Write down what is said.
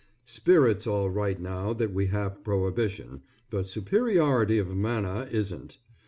Spirit's all right now that we have prohibition, but superiority of manner isn't.